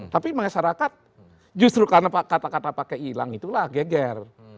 tapi masyarakat justru karena kata kata pakai hilang itulah geger